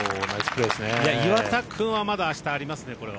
岩田君はまだ明日ありますね。